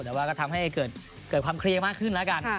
แต่ว่าก็ทำให้เกิดความเคลียร์มากขึ้นแล้วกัน